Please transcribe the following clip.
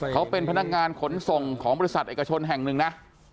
เขาเป็นพนักงานขนส่งของบริษัทเอกชนแห่งหนึ่งนะ